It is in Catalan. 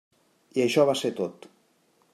I això va ser tot.